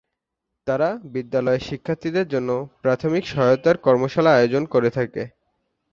তারা বিদ্যালয়ের শিক্ষার্থীদের জন্য প্রাথমিক সহায়তার কর্মশালা আয়োজন করে থাকে।